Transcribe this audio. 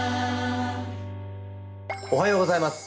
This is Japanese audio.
おはようございます。